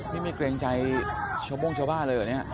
นี่ไม่เกรงใจชาวโม่งชาวบ้านเลยเหรอเนี่ย